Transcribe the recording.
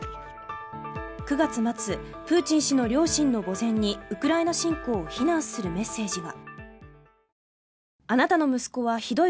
９月末プーチン氏の両親の墓前にウクライナ侵攻を非難するメッセージが。